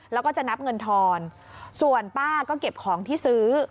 แล้วก็จะนับเงินทอนส่วนป้าก็เก็บของที่ซื้อ